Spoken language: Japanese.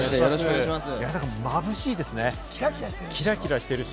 眩しいですね、キラキラしてるし。